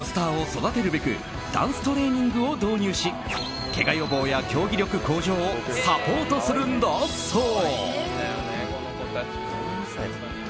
未来のスターを育てるべくダンストレーニングを導入しけが予防や、競技力向上をサポートするんだそう。